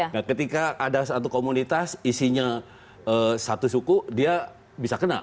nah ketika ada satu komunitas isinya satu suku dia bisa kena